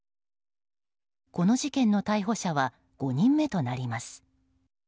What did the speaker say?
この事件の逮捕者は５人目となります。